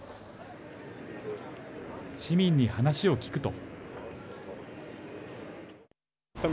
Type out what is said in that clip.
市民に話を聞くと。